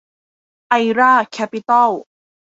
ไอร่า แคปปิตอล